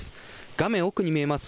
画面奥に見えます